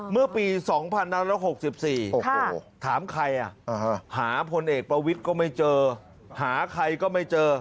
เมื่อปี๒๑๖๔ถามใครหาพลเอกประวิทย์ก็ไม่เจอหาใครก็ไม่เจอ